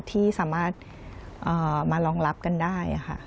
ที่สามารถมารองรับกันได้ค่ะ